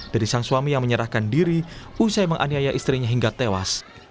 dari sang suami yang menyerahkan diri usai menganiaya istrinya hingga tewas